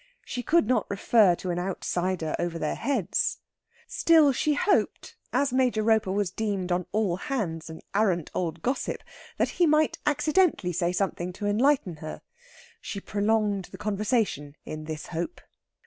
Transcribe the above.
She could not refer to an outsider over their heads. Still, she hoped, as Major Roper was deemed on all hands an arrant old gossip, that he might accidentally say something to enlighten her. She prolonged the conversation in this hope.